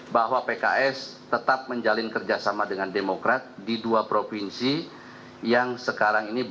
bahwa pks tetap menjalin kerjasama dengan deddy mizwar